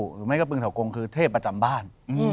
หรือไม่ก็ปึงเถากงคือเทพประจำบ้าน